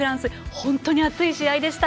本当に熱い試合でした。